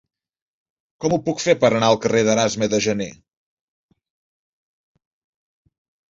Com ho puc fer per anar al carrer d'Erasme de Janer?